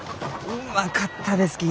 うまかったですき。